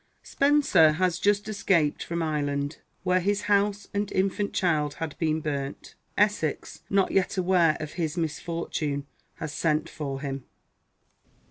[Spenser has just escaped from Ireland, where his house and infant child had been burnt. Essex, not yet aware of his misfortune, has sent for him.